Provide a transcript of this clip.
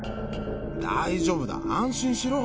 大丈夫だ、安心しろ。